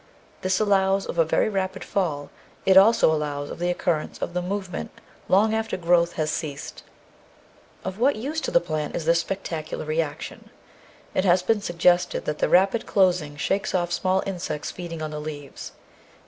This allows of a very rapid fall; it also allows of the occurrence of the movement long after growth has ceased. Of what use to the plant is this spectacular reaction? It has been suggested that the rapid closing shakes off small insects feeding on the leaves.